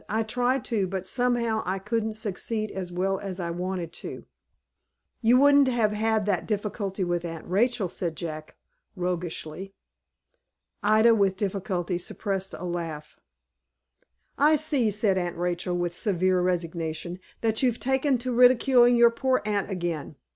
"I tried to, but somehow I couldn't succeed as well as I wanted to." "You wouldn't have that difficulty with Aunt Rachel," said Jack, roguishly. Ida, with difficulty, suppressed a laugh. "I see," said Aunt Rachel, with severe resignation, "that you've taken to ridiculing your poor aunt again.